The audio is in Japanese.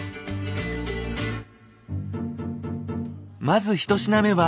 まず１品目は